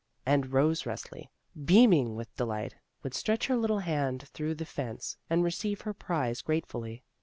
And Rose Resli, beaming with delight, would stretch her httle hand through the fence and receive her prize gratefully.